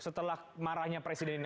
setelah marahnya presiden ini